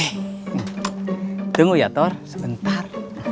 hmm tunggu ya thor sebentar